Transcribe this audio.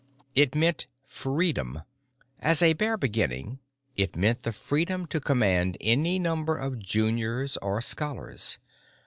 It meant freedom. As a bare beginning, it meant the freedom to command any number of juniors or scholars.